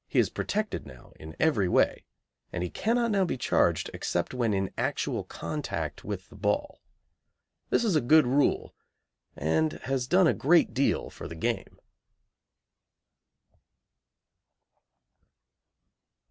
He is protected now in every way, and he cannot now be charged except when in actual contact with the ball. This is a good rule, and has done a great deal for the game.